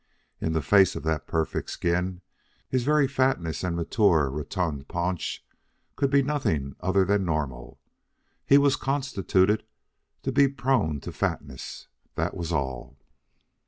In the face of that perfect skin, his very fatness and mature, rotund paunch could be nothing other than normal. He was constituted to be prone to fatness, that was all.